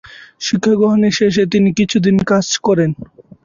শিক্ষা গ্রহণের শেষে তিনি কিছুদিন কাজ করেন।